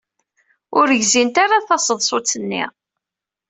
Ur gzint ara taseḍsut-nni.